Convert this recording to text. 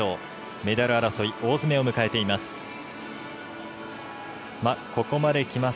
メダル争い大詰めを迎えています。